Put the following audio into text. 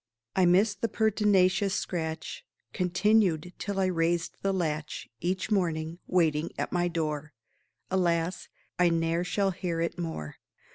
I miss the pertinacious scratch (Continued till I raised the latch Each morning), waiting at my door; Alas, I ne'er shall hear it more.